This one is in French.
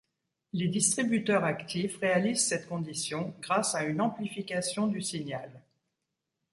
Les distributeurs actifs réalisent cette condition grâce à une amplification du signal.